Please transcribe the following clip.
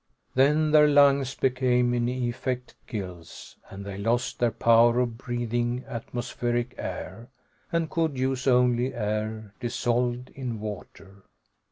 Then their lungs became, in effect, gills, and they lost their power of breathing atmospheric air, and could use only air dissolved in water.